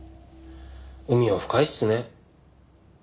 海は深いですね。